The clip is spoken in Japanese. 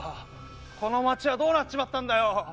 この街はどうなっちまったんだよ！